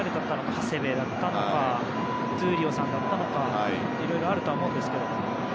長谷部だったのか闘莉王さんだったのかいろいろあるとは思いますが。